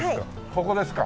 ここですか？